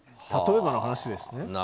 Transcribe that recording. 例えばの話ですよ。